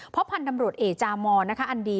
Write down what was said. เพราะพันธ์ตำรวจเอกจามอนนะคะอันดี